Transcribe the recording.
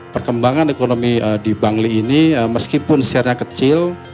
perkembangan ekonomi di bangli ini meskipun share nya kecil